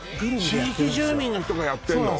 地域住民の人がやってるの？